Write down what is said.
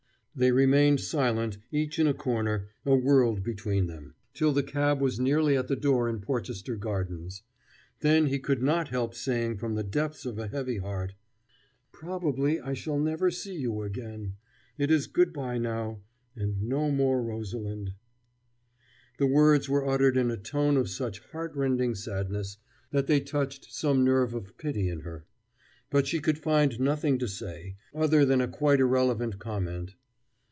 They remained silent, each in a corner, a world between them, till the cab was nearly at the door in Porchester Gardens. Then he could not help saying from the depths of a heavy heart: "Probably I shall never see you again! It is good by now; and no more Rosalind." The words were uttered in a tone of such heart rending sadness that they touched some nerve of pity in her. But she could find nothing to say, other than a quite irrelevant comment.